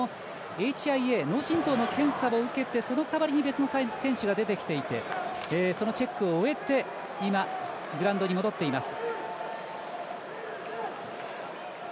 ＨＩＡ、脳震とうの検査を受けてその代わりに別の選手が出てきていてそのチェックを終えて今、グラウンドに戻っています。